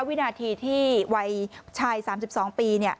วินาทีที่วัยชายสามสิบสองปีเนี่ย